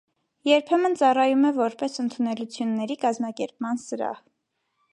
Երբեմն ծառայում է որպես ընդունելությունների կազմակերպման սրահ։